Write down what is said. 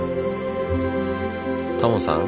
タモさん